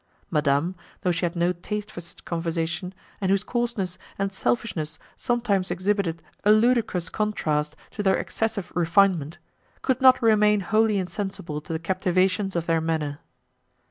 Madame, though she had no taste for such conversation, and whose coarseness and selfishness sometimes exhibited a ludicrous contrast to their excessive refinement, could not remain wholly insensible to the captivations of their manner.